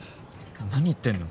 何言ってんの？